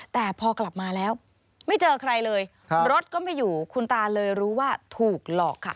แต่พอกลับมาแล้วไม่เจอใครเลยรถก็ไม่อยู่คุณตาเลยรู้ว่าถูกหลอกค่ะ